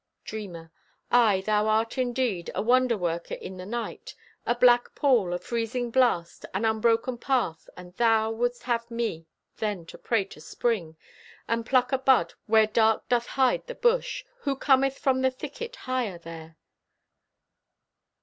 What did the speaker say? Dreamer: Aye, thou art indeed A wonder worker in the night! A black pall, a freezing blast, An unbroken path—and thou Wouldst have me then to prate o' Spring, And pluck a bud where dark doth hide the bush! Who cometh from the thicket higher there?